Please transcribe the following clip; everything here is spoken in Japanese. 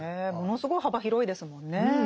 ものすごい幅広いですもんねぇ。